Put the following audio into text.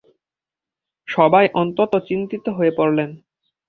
সবাই অত্যন্ত চিন্তিত হয়ে পড়ল।